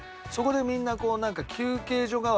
そこでみんな休憩所